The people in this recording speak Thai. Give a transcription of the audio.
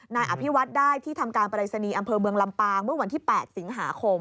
นายอภิวัฒน์ได้ที่ทำการปรายศนีย์อำเภอเมืองลำปางเมื่อวันที่๘สิงหาคม